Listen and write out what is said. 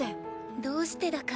どうしてだか